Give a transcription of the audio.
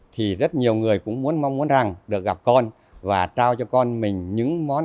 thì rất nhiều người cũng mong muốn được gặp con và trao cho con mình những món ăn